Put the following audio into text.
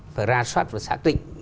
phải ra soát và xác định